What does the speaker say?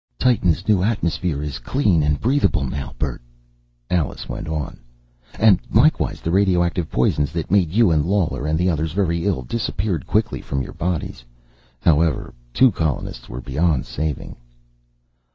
"Titan's new atmosphere is clean and breathable, now, Bert," Alice went on. "And likewise the radioactive poisons that made you and Lawler and the others very ill disappeared quickly from your bodies. However, two colonists were beyond saving."